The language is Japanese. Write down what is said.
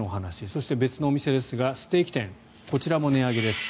そして、別のお店ですがステーキ店こちらも値上げです。